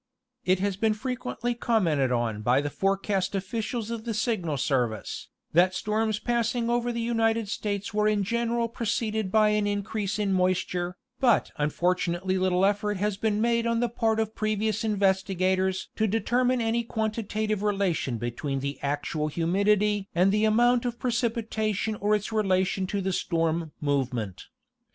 It has been 62 National Geographic Mc agazine. frequently commented on by the forecast officials of the Signal Service, that storms passing over the United States were in gene ral preceded by an increase in moisture, but unfortunately little effort had been made on the part of previous investigators to de termine any quantitative relation between the actual humidity and the amount of precipitation or its relation to the storm move ment.